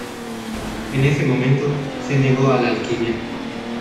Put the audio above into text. En ese momento, se negó a la alquimia.